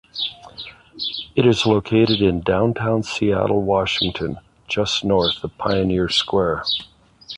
It is located in downtown Seattle, Washington, just north of Pioneer Square.